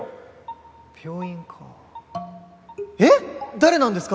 誰なんですか？